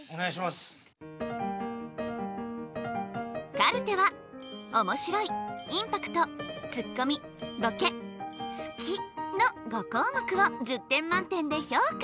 カルテはおもしろいインパクトツッコミボケ好きの５項目を１０点満点で評価。